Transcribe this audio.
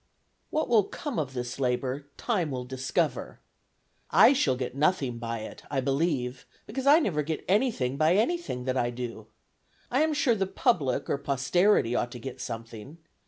"What will come of this labor, time will discover. I shall get nothing by it, I believe, because I never get anything by anything that I do. I am sure the public or posterity ought to get something.